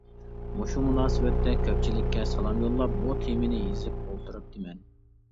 مۇشۇ مۇناسىۋەتتە كۆپچىلىككە سالام يوللاپ بۇ تېمىنى يېزىپ ئولتۇرۇپتىمەن.